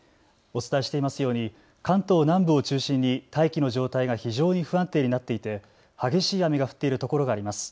お伝えしていますように関東南部を中心に大気の状態が非常に不安定になっていて激しい雨が降っているところがあります。